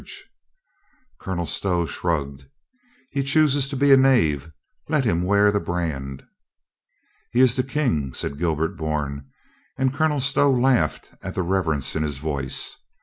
A CAVALIER DIES 363 Colonel Stow shrugged. "He chooses to be a knave. Let him wear the brand." "He is the King," said Gilbert Bourne, and Colonel Stow laughed at the reverence in his voice.